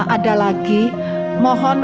ada lagi mohon